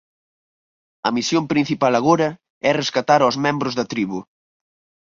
A misión principal agora é rescatar aos membros da tribo.